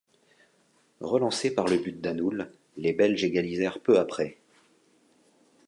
Relancés par le but d'Anoul, les Belges égalisèrent peu après.